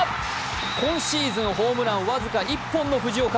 今シーズンホームラン、僅か１本の藤岡。